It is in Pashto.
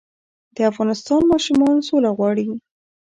د افغانستان ماشومان سوله غواړي